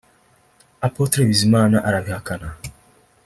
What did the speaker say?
Apôtre Bizimana arabihakana